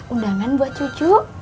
undangan buat cucu